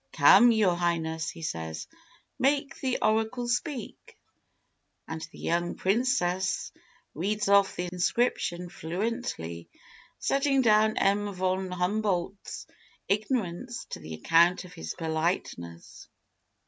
"'Come, your Highness,' he says, 'make the oracle speak.' "And the young princess reads off the inscription fluently, setting down M. von Humboldt's ignorance to the account of his politeness.